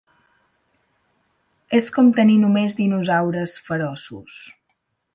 És com tenir només dinosaures feroços.